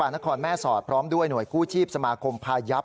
นครแม่สอดพร้อมด้วยหน่วยกู้ชีพสมาคมพายับ